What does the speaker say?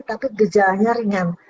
tapi gejalanya ringan